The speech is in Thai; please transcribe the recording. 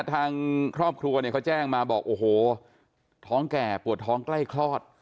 ทางครอบครัวเนี่ยเขาแจ้งมาบอกโอ้โหท้องแก่ปวดท้องใกล้คลอด